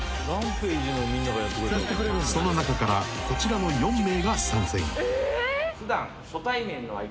［その中からこちらの４名が参戦］